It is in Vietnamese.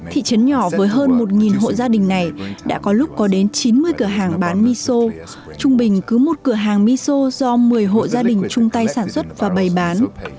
thị trấn nhỏ với hơn một hộ gia đình này đã có lúc có đến chín mươi cửa hàng bán miso trung bình cứ một cửa hàng miso do một mươi hộ gia đình chung tay sản xuất và bày bán